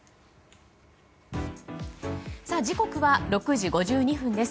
時刻は６時５２分です。